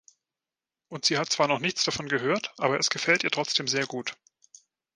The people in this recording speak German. Und sie hat zwar noch nichts davon gehört, aber es gefällt ihr trotzdem sehr gut.